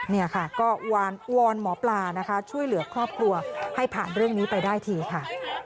นี่ค่ะก็วอนหมอปลานะคะช่วยเหลือครอบครัวให้ผ่านเรื่องนี้ไปได้ทีค่ะ